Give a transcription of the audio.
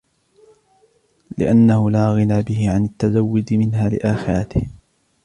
لِأَنَّهُ لَا غِنَى بِهِ عَنْ التَّزَوُّدِ مِنْهَا لِآخِرَتِهِ